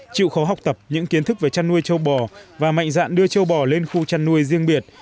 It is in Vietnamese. chịu khó học tập những kiến thức về chăn nuôi châu bò và mạnh dạn đưa châu bò lên khu chăn nuôi riêng biệt